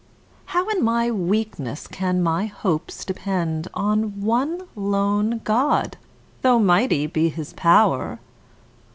How in my weakness can my hopes depend On one lone God, though mighty be his pow'r?